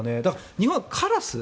日本はカラス。